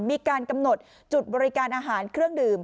มีการกำหนดจุดบริการอาหารเครื่องดื่ม